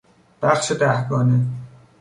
بخش دهگانه